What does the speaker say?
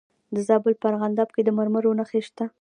د زابل په ارغنداب کې د مرمرو نښې شته.